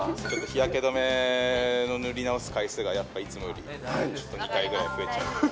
日焼け止めの塗り直す回数がやっぱいつもより、ちょっと２回ぐらい増えちゃうんで。